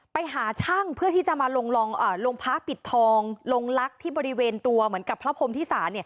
ไปหาช่างเพื่อที่จะมาลงพระปิดทองลงลักษณ์ที่บริเวณตัวเหมือนกับพระพรมธิสา